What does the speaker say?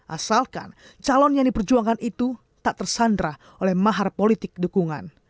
asalkan calon yang diperjuangkan itu tak tersandra oleh mahar politik dukungan